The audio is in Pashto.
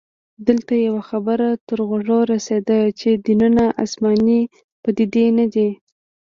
دلته يوه خبره تر غوږه رسیده چې دینونه اسماني پديدې نه دي